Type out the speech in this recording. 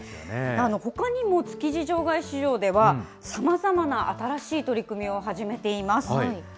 ほかにも築地場外市場では、さまざまな新しい取り組みを始めています。